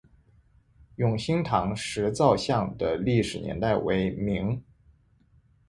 永兴堂石造像的历史年代为明。